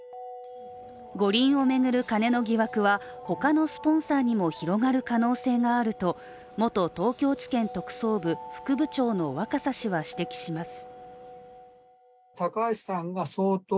五輪を巡る金の疑惑は他のスポンサーにも広がる可能性があると元東京地検特捜部副部長の若狭氏は指摘します。